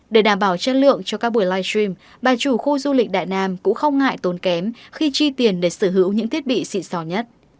để đảm bảo chất lượng cho các buổi live stream bà chủ khu du lịch đại nam cũng không ngại tốn kém khi chi tiền để sở hữu những thiết bị xịn xò nhất